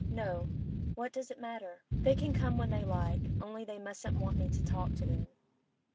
'No. What does it matter? They can come when they like, only they mustn't want me to talk to them.